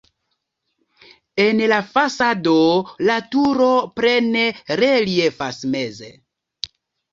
En la fasado la turo plene reliefas meze.